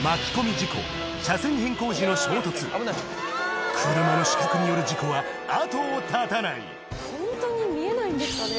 事故車線変更時の衝突車の死角による事故は後を絶たない本当に見えないんですかね？